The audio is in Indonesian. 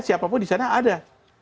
siapapun di sana ada